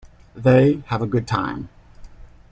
They have a good time.